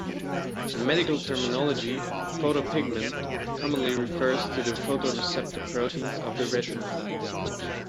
In medical terminology, "photopigment" commonly refers to the photoreceptor proteins of the retina.